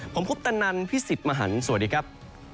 ผมโพพตันนันพิศีดมหันสวัสดีครับ